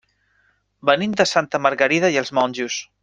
Venim de Santa Margarida i els Monjos.